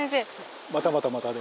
またまたまたで。